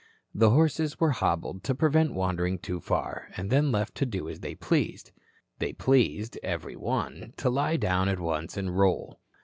The horses were hobbled to prevent wandering too far, and then left to do as they pleased. They pleased, every one, to lie down at once and roll.